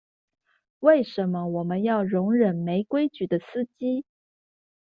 為什麼我們要容忍沒規矩的司機